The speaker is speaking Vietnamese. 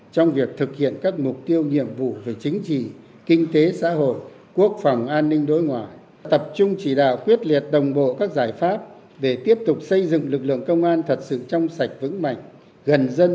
tổng bí thư chủ tịch nước nguyễn phú trọng